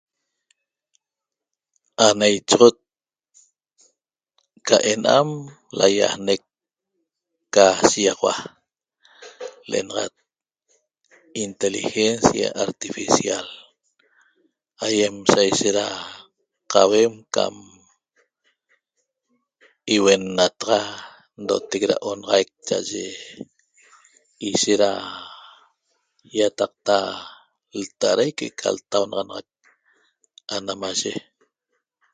Ana ichoxot ca ena'am laiaanec ca shigaxaua le'enaxat inteligencia artificial aiem saishet qauem cam ihuennataxa ndotec ra onaxaic cha'aye ishet ra iataqta lata'araic que'eca ltaunaxanaxac ana maye